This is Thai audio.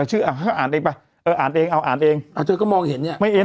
ชื่ออ่าให้อ่านเองไปเอออ่านเองเอาอ่านเองเอาเธอก็มองเห็นเนี้ยไม่เอ็น